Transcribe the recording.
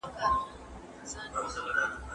¬ د بل په لاس مار مه وژنه.